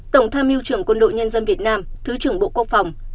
tổng tham mưu trưởng quân đội nhân dân việt nam thứ trưởng bộ quốc phòng